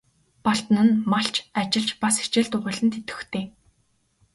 Балдан нь малч, ажилч, бас хичээл дугуйланд идэвхтэй.